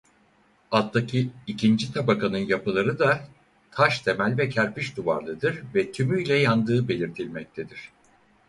Alttaki ikinci tabakanın yapıları da taş temel ve kerpiç duvarlıdır ve tümüyle yandığı belirtilmektedir.